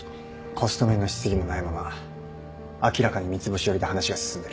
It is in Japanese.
コスト面の質疑もないまま明らかに三ツ星寄りで話が進んでる。